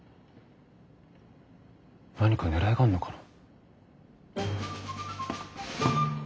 何かねらいがあるのかな。